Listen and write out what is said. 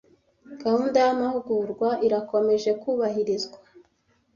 Gahunda y amahugurwa irakomeje kubahirizwa